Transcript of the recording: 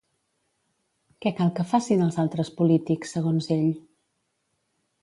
Què cal que facin els altres polítics, segons ell?